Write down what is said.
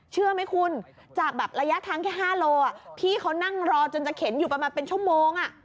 เชื่อไหมคุณจากแบบระยะทางแค่๕โลพี่เขานั่งรอจนจะเข็นอยู่ประมาณเป็นชั่วโมง